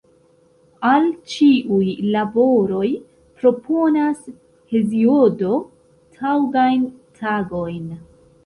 Al ĉiuj laboroj proponas Heziodo taŭgajn tagojn.